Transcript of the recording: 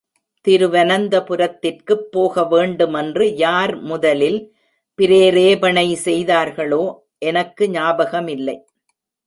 திருவனந்தபுரத்திற்குப் போகவேண்டுமென்று யார் முதலில் பிரேரேபணை செய்தார்களோ எனக்கு ஞாபகமில்லை.